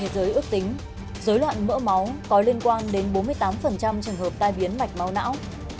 dối loạn mỡ máu có liên quan đến bốn mươi tám trường hợp tai biến mạch máu não